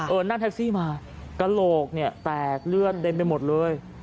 เอิ้นนั่นแฮ็กซี่มากระโลกเนี่ยแตกเลือดเด้นไปหมดเลย